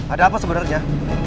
ada apa sebenarnya